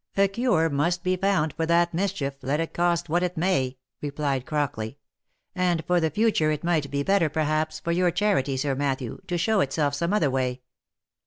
" A cure must be found for that mischief, let it cost what it may," replied Crockley ;" and for the future it might be better, perhaps, for your charity, Sir Matthew, to show itself some other way.